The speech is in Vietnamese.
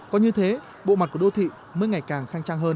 có như thế bộ mặt của đô thị mới ngày càng khang trang hơn